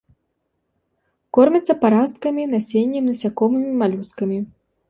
Кормяцца парасткамі, насеннем, насякомымі, малюскамі.